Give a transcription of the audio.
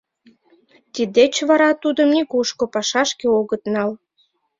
Тиддеч вара тудым нигушко пашашке огыт нал.